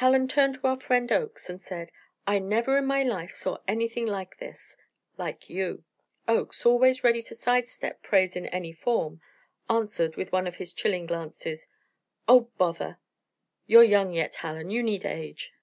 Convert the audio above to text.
Hallen turned to our friend Oakes and said: "I never in my life saw anything like this like you." Oakes, always ready to side step praise in any form, answered, with one of his chilling glances: "Oh, bother! You're young yet, Hallen; you need age."